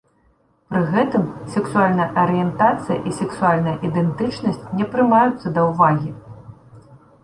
Пры гэтым сексуальная арыентацыя і сексуальная ідэнтычнасць не прымаюцца да ўвагі.